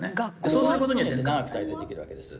そうする事によって長く滞在できるわけです。